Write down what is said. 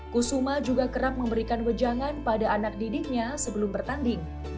kusuma juga kerap memberikan wejangan pada anak didiknya sebelum bertanding